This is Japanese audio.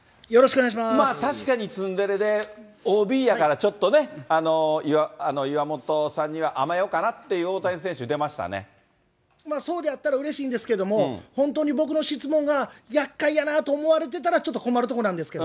まあ確かにツンデレで、ＯＢやからちょっと岩本さんには甘えようかなという大谷選手、出そうであったらうれしいんですけども、本当に僕の質問が、厄介やなと思われてたら、ちょっと困るところなんですけど。